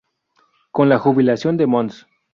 Con la jubilación de Mons.